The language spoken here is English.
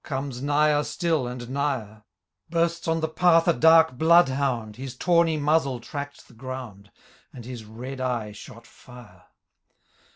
Comes nigher still, and nigher : Bursts on the path a dark blood hound. His tawny muzzle tracked the ground. And his red eye shot fire.